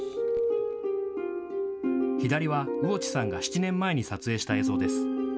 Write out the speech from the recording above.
左は魚地さんが７年前に撮影した映像です。